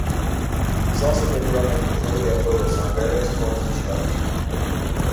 He's also been drumming for Juliette Lewis on various tours and shows.